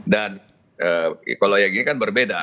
dan kalau yang ini kan berbeda